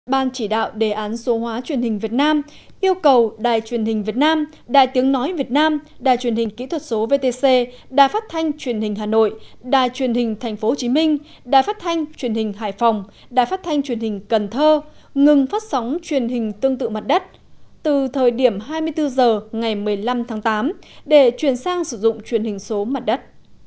ban chỉ đạo đề án số hóa truyền hình việt nam yêu cầu đài truyền hình việt nam đài tiếng nói việt nam đài truyền hình kỹ thuật số vtc đài phát thanh truyền hình hà nội đài truyền hình tp hcm đài phát thanh truyền hình hải phòng đài phát thanh truyền hình cần thơ ngừng phát sóng truyền hình tương tự mặt đất từ thời điểm hai mươi bốn h ngày một mươi năm tháng tám để chuyển sang sử dụng truyền hình số mặt đất